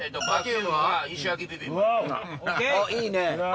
いいね！